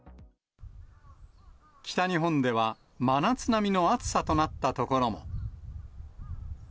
北日本では真夏並みの暑さとなった所も。